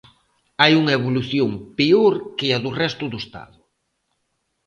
Hai unha evolución peor que a do resto do Estado.